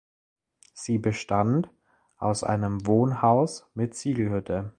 Sie bestand aus einem Wohnhaus mit Ziegelhütte.